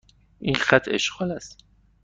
این خط اشغال است.